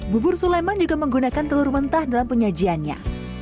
bubur suleman juga menggunakan telur mentah dalam penyajiannya